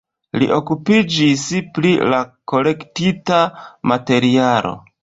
Li okupiĝis pri la kolektita materialo.